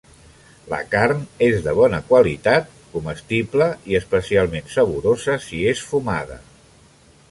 La carn és de bona qualitat comestible i especialment saborosa si és fumada.